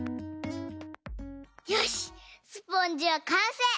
よしスポンジはかんせい！